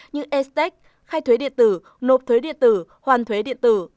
như stec khai thuế điện tử nộp thuế điện tử hoàn thuế điện tử